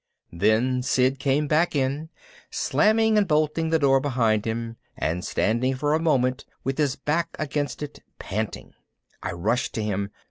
Then Sid came back in, slamming and bolting the door behind him and standing for a moment with his back against it, panting. I rushed to him.